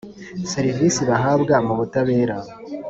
serivisi bahabwa mu butabera